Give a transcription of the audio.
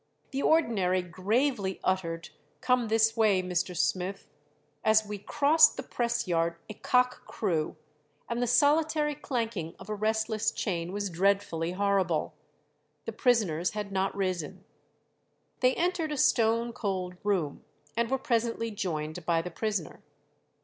The ordinary "gravely uttered, 'Come this way, Mr. Smith.' As we crossed the press yard a cock crew, and the solitary clanking of a restless chain was dreadfully horrible. The prisoners had not risen." They entered a "stone cold room," and were presently joined by the prisoner.